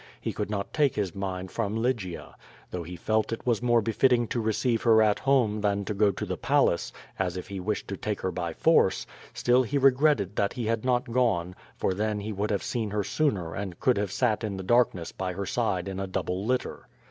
He could not take his mind from Lygia. Though he he felt it was more befitting to receive her at home than to 86 QUO VADIS. go to the palace, as if he wished to take her by force, still he regretted that he had not gone, for then he would have seen her sooner and could have sat in the darkness by her side in a double litter.